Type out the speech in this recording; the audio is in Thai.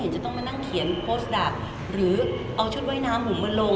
จะต้องมานั่งเขียนหรือโพสต์ดับหรือเอาชุดว่ายน้ำผมมาลง